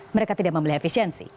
mereka tidak membeli efisiensi